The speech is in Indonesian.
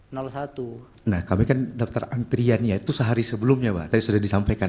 nah kami kan daftar antriannya itu sehari sebelumnya pak tadi sudah disampaikan